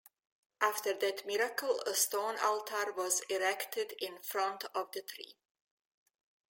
After that miracle a stone altar was erected in front of the tree.